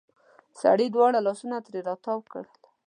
سړې دواړه لاسونه ترې تاو کړل.